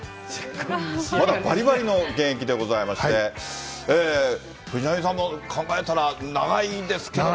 まだばりばりの現役でございまして、藤波さん、考えたら長いですけれども。